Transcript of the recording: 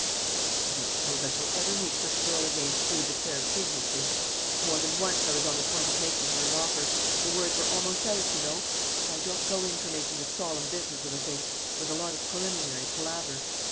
"I don't suppose I shall ever meet such a girl again," he would declare piteously. "More than once I was on the point of making her an offer; the words were almost out, you know; for I don't go in for making a solemn business of the thing, with a lot of preliminary palaver.